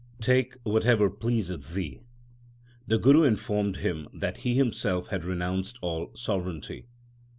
Take whatever pleaseth thee/ The Guru informed him that he himself had renounced all sovereignty.